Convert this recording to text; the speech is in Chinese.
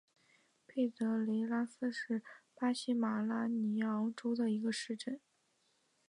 佩德雷拉斯是巴西马拉尼昂州的一个市镇。